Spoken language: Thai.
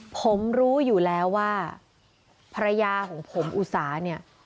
ผมรู้อยู่แล้วว่าภรรยาของผมอุสาเนี่ย